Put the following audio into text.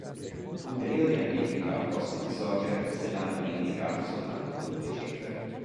Ulteriori ambiguità possono insorgere se l'anno è indicato soltanto con due cifre.